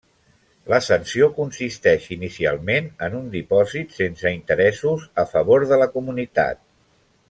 La sanció consisteix inicialment en un dipòsit sense interessos, a favor de la Comunitat.